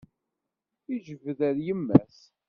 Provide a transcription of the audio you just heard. Ijbed ar yemma-s.